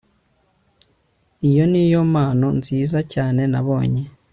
Iyo niyo mpano nziza cyane nabonye